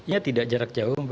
ya tidak jarak jauh